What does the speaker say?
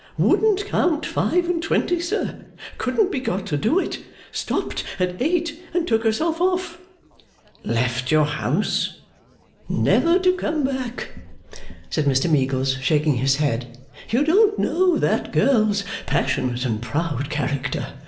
'Wouldn't count five and twenty, sir; couldn't be got to do it; stopped at eight, and took herself off.' 'Left your house?' 'Never to come back,' said Mr Meagles, shaking his head. 'You don't know that girl's passionate and proud character.